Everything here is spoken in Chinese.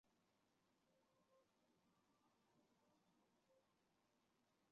翅果藤为萝藦科翅果藤属下的一个种。